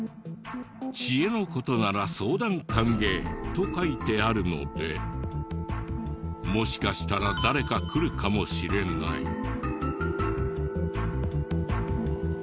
「知恵のことなら相談歓迎」と書いてあるのでもしかしたら誰か来るかもしれない。